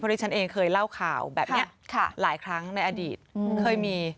ที่ฉันเองเคยเล่าข่าวแบบนี้หลายครั้งในอดีตเคยมี